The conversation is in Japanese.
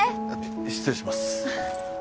失礼します